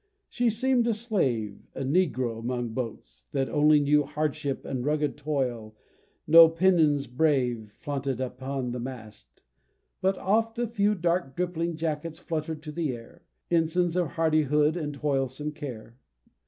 She seem'd a slave, A negro among boats that only knew Hardship and rugged toil no pennons brave Flaunted upon the mast but oft a few Dark dripping jackets flutter'd to the air, Ensigns of hardihood and toilsome care.